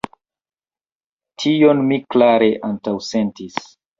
Tion mi klare antaŭsentis.